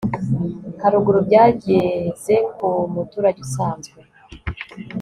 haruguru byageze ku muturage usanzwe